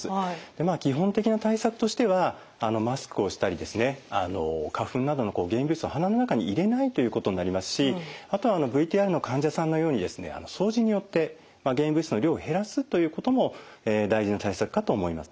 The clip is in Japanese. まあ基本的な対策としてはマスクをしたりですね花粉などの原因物質を鼻の中に入れないということになりますしあとはＶＴＲの患者さんのようにですね掃除によって原因物質の量を減らすということも大事な対策かと思います。